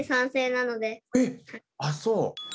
あっそう。